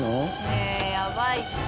ねえやばいって。